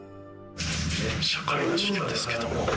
社会の授業ですけれども。